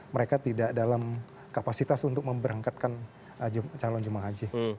mereka tidak dalam kapasitas untuk memberangkatkan calon jemaah haji